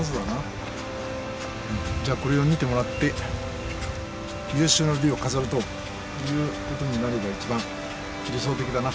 じゃあこれを見てもらって有終の美を飾るということになれば一番理想的だな。